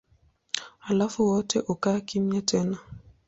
Halafu wote hukaa kimya tena.